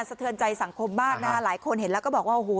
เทือนใจสังคมมากนะฮะหลายคนเห็นแล้วก็บอกว่าโอ้โห